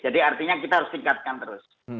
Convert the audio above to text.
jadi artinya kita harus tingkatkan terus